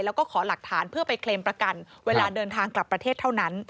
แล้วก็ขอหลักฐานเพื่อไปเคลมประกันเวลาเดินทางกลับประเทศเท่านั้น